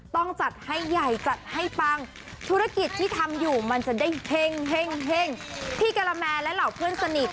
ต้องจัดให้ใหญ่จัดให้ปังธุรกิจที่ทำอยู่มันจะได้เฮ่งพี่กะละแมและเหล่าเพื่อนสนิท